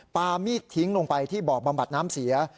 มีดทิ้งลงไปที่บ่อบำบัดน้ำเสีย